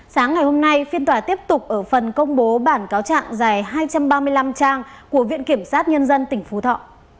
sáng ngày hôm nay phiên tòa tiếp tục ở phần công bố bản cáo trạng dài hai trăm ba mươi năm trang của viện kiểm sát nhân dân tỉnh phú thọ